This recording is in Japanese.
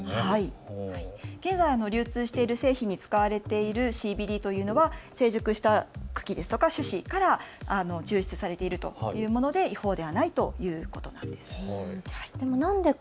現在流通している製品に使われているＣＢＤというのは成熟した茎ですとか種子から抽出されているというもので、違法ではないということなんです。